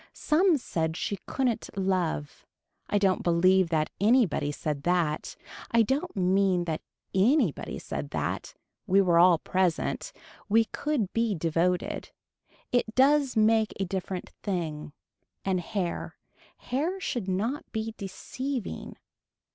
Some said she couldn't love. I don't believe that anybody said that. I don't mean that anybody said that. We were all present. We could be devoted. It does make a different thing. And hair, hair should not be deceiving.